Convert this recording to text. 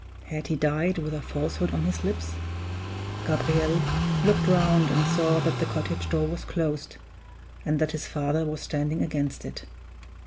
Had he died with a falsehood on his lips? Gabriel looked round and saw that the cottage door was closed, and that his father was standing against it.